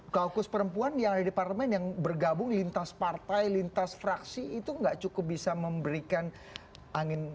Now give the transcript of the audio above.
kaukus perempuan yang ada di parlemen yang bergabung lintas partai lintas fraksi itu nggak cukup bisa memberikan angin